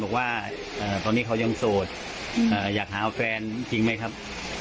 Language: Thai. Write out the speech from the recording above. บอกว่าเอ่อตอนนี้เขายังโสดอืมเอ่ออยากหาแฟนจริงไหมครับ